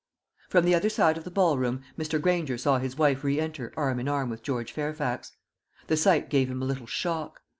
From the other side of the ball room Mr. Granger saw his wife re enter arm in arm with George Fairfax. The sight gave him a little shock.